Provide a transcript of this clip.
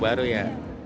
oh baru ya